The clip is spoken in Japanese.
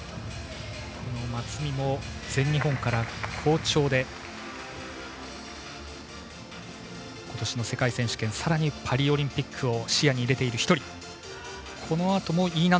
松見も、全日本から好調で今年の世界選手権さらにパリオリンピックを視野に入れている１人。